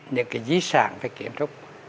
những cái dí sản phải kiểm trúc